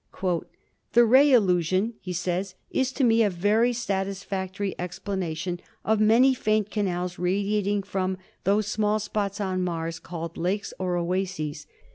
"The ray illusion," he says, "is to me a very satisfactory explanation of many faint canals radiating from those small spots on Mars called 'lakes' or 'oases.'